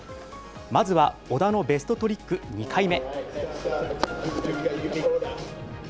まずは織田のベストトリック２回目。